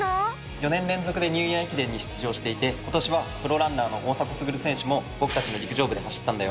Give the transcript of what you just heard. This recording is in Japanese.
４年連続でニューイヤー駅伝に出場していて今年はプロランナーの大迫傑選手も僕たちの陸上部で走ったんだよ